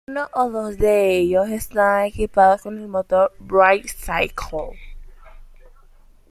Uno o dos de ellos estaban equipados con el motor Wright Cyclone.